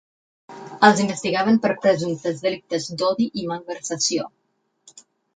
Els investigaven per presumptes delictes d’odi i malversació.